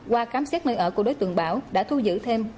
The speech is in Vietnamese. qua khám xét nơi ở của đối tượng bảo đã thu giữ thêm ba bánh heroin